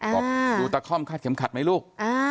บอกดูตาค่อมค่าจำขัดไหมลูก